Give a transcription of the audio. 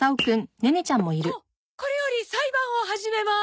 ここれより裁判を始めます。